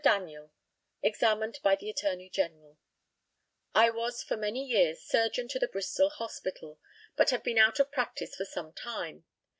DANIELL, examined by the ATTORNEY GENERAL: I was for many years surgeon to the Bristol Hospital, but have been out of practice for some time.